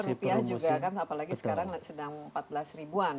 karena rupiah juga kan apalagi sekarang sedang empat belas ribuan